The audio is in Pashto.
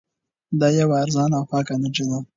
دا یوه ارزانه او پاکه انرژي ده.